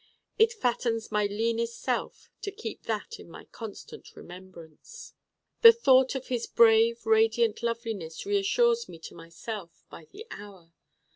It fattens my leanest self to keep that in my constant remembrance. The thought of his brave radiant loveliness reassures me to myself, by the hour.